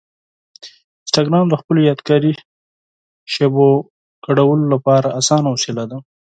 انسټاګرام د خپلو یادګاري شېبو شریکولو لپاره اسانه وسیله ده.